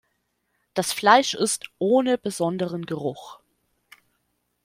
Das Fleisch ist "ohne besonderen Geruch".